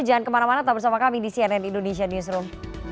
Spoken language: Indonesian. jangan kemana mana tetap bersama kami di cnn indonesia newsroom